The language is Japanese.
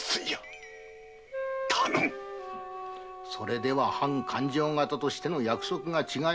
では勘定方としての約束が違う。